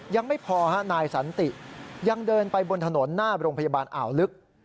ยังไม่พอฮะนายสันติยังเดินไปบนถนนหน้าโรงพยาบาลอ่าวลึก